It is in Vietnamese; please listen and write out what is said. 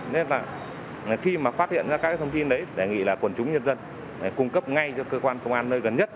nên là khi mà phát hiện ra các thông tin đấy đề nghị là quần chúng nhân dân cung cấp ngay cho cơ quan công an nơi gần nhất